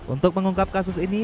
untuk mengungkap kasus ini